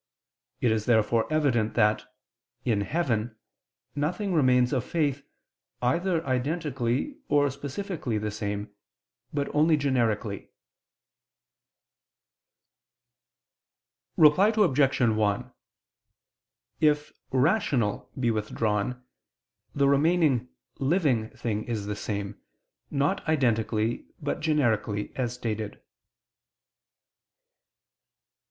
It is therefore evident that, in heaven, nothing remains of faith, either identically or specifically the same, but only generically. Reply Obj. 1: If "rational" be withdrawn, the remaining "living" thing is the same, not identically, but generically, as stated.